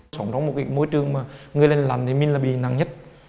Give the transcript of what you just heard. sống trong một môi trường mà người lên lần thì mình là bị nặng nhất